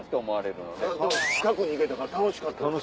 ただでも近くに行けたから楽しかったです。